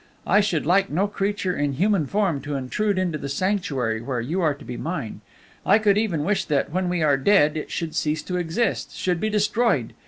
I should like no creature in human form to intrude into the sanctuary where you are to be mine; I could even wish that, when we are dead, it should cease to exist should be destroyed.